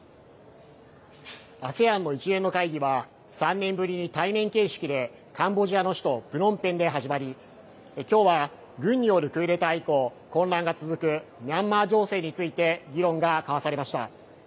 ＡＳＥＡＮの一連の会議は、３年ぶりに対面形式で、カンボジアの首都プノンペンで始まり、きょうは、軍によるクーデター以降、混乱が続くミャンマー情勢について議論が交わされました。